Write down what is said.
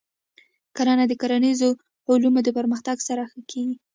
کرنه د کرنیزو علومو د پرمختګ سره ښه کېږي.